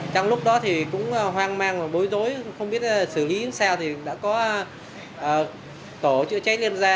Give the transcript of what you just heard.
trong lúc đó thì cũng hoang mang và bối rối không biết xử lý sao thì đã có tổ chữa cháy liên gia